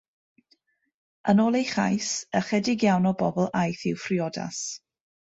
Yn ôl ei chais, ychydig iawn o bobl aeth i'w phriodas.